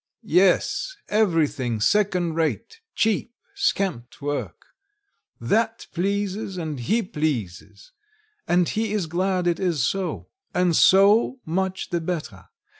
"Yes, everything second rate, cheap, scamped work. That pleases, and he pleases, and he is glad it is so and so much the better.